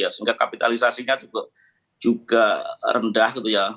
sehingga kapitalisasinya juga rendah gitu ya